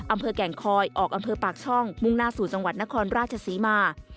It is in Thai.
อำเภอแก่งคอยออกอำเภอปากช่องมุ่งหน้าสู่จังหวัดนครราชศรีมา